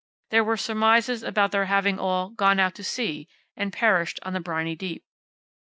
There were surmises about their having all "gone out to sea," and perished on the briny deep.